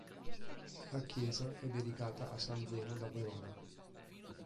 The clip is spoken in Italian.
La chiesa è dedicata a san Zeno da Verona.